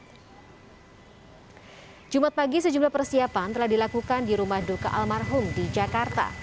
hai jumat pagi sejumlah persiapan telah dilakukan di rumah duka almarhum di jakarta